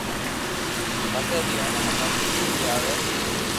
پسي بي اوني ھمج مي ڪوئي آوي